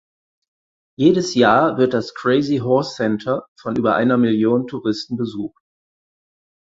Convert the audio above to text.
Jedes Jahr wird das Crazy Horse Center von über einer Million Touristen besucht.